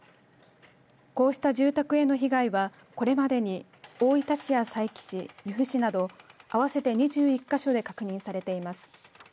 こうした住宅への被害はこれまでに大分市や佐伯市、由布市など合わせて２１か所で確認されています。